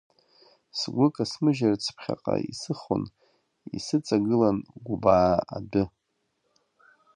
Сгәы касмыжьырц ԥхьаҟа исыхон, исыҵагылан Гәбаа адәы.